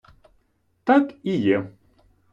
Так і є.